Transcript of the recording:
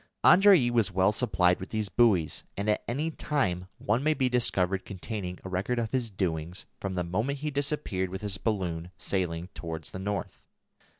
Andrée was well supplied with these buoys, and at any time one may be discovered containing a record of his doings from the moment he disappeared with his balloon sailing towards the north.